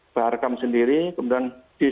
pak arkam sendiri kemudian